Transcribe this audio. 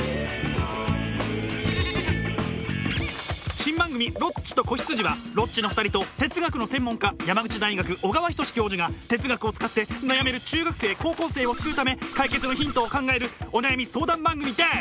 新番組「ロッチと子羊」はロッチの２人と哲学の専門家山口大学小川仁志教授が哲学を使って悩める中学生高校生を救うため解決のヒントを考えるお悩み相談番組です！